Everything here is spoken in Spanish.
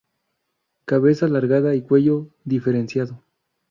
Cabeza alargada y cuello diferenciado.